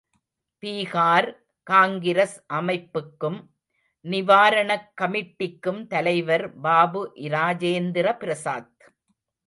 பீகார் காங்கிரஸ் அமைப்புக்கும் நிவாரணக் கமிட்டிக்கும் தலைவர் பாபு இராஜேந்திர பிரசாத்.